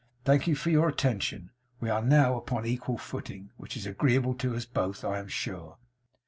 Thank you for your attention. We are now upon an equal footing; which is agreeable to us both, I am sure.